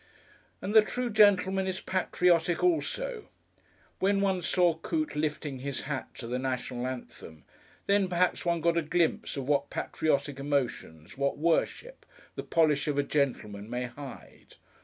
And the True Gentleman is patriotic also. When one saw Coote lifting his hat to the National Anthem, then perhaps one got a glimpse of what patriotic emotions, what worship, the polish of a gentleman may hide.